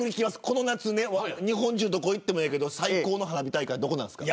この夏日本中どこ行ってもええけど最高の花火大会はどこですか。